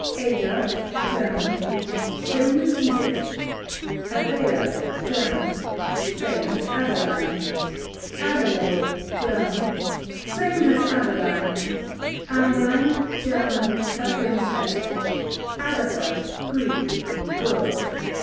Ada, German, same as Edith, q.v. Adela, German, same as Adeline, q.v. Adelaide, German, same as Adeline, q.v. Adeline, German, a princess. Agatha, Greek, good.